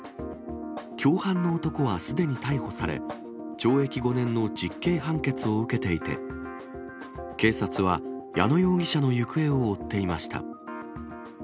共犯の男はすでに逮捕され、懲役５年の実刑判決を受けていて、警察は矢野容疑者の行方を追っていました。